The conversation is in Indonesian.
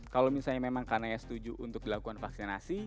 kalau misalnya memang karena setuju untuk dilakukan vaksinasi